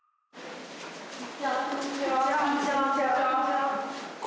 こんにちは。